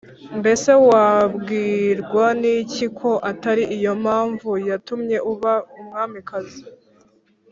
mbese wabwirwa n’iki ko atari iyo mpamvu yatumye uba umwamikazi»?